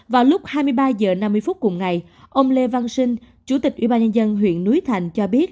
vào lúc hai mươi ba h năm mươi cùng ngày ông lê văn sinh chủ tịch ủy ban nhân dân huyện núi thành cho biết